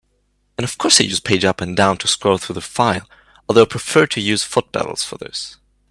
And of course I use page up and down to scroll through the file, although I prefer to use foot pedals for this.